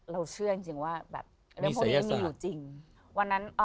เราเชื่อจริงว่ามีอยู่จริง